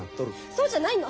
そうじゃないの！